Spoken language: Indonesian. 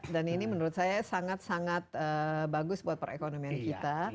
dan ini menurut saya sangat sangat bagus buat perekonomian kita